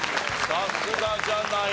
さすがじゃないですか。